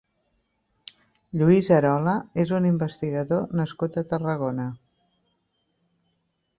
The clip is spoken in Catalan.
Lluís Arola és un investigador nascut a Tarragona.